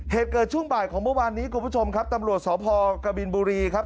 เหตุเกิดช่วงบ่ายของเมื่อวานนี้คุณผู้ชมครับตำรวจสพกบินบุรีครับ